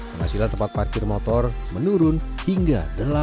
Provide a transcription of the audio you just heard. penghasilan tempat parkir motor menurun hingga delapan bulan